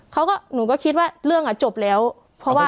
เขาก็หนูก็คิดว่าเรื่องอ่ะจบแล้วเพราะว่า